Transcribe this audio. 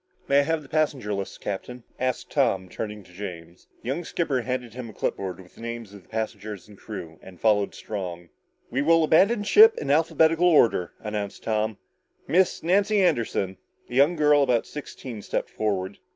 "May I have the passenger lists, Captain?" asked Tom, turning to James. The young skipper handed him a clip board with the names of the passengers and crew and followed Strong. "We will abandon ship in alphabetical order," announced Tom. "Miss Nancy Anderson?" A young girl about sixteen stepped forward.